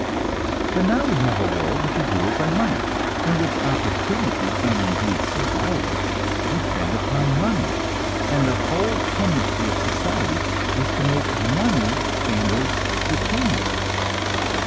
But now we have a world which is ruled by money, in which opportunity, and indeed survival, depend upon money, and the whole tendency of society is to make money standards supreme.